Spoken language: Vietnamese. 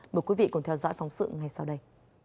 mời quý vị cùng theo dõi phóng sự ngay sau đây